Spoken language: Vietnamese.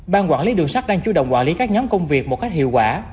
ban quản lý đường sắt đang chú động quản lý các nhóm công việc một cách hiệu quả